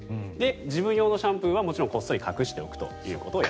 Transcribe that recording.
自分用のシャンプーはもちろんこっそり隠しておくと。